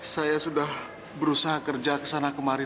saya sudah berusaha kerja kesana kemari